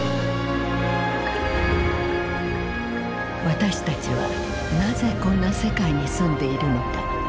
私たちはなぜこんな世界に住んでいるのか。